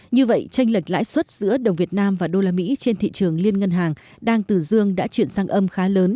như vậy tranh lệch lãi suất giữa đồng việt nam và usd trên thị trường liên ngân hàng đang từ dương đã chuyển sang âm khá lớn